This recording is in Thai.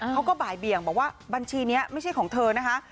เขาก็บ่ายเบี่ยงบอกว่าบัญชีนี้ไม่ใช่ของเธอนะคะ